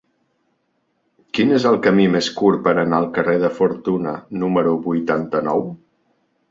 Quin és el camí més curt per anar al carrer de Fortuna número vuitanta-nou?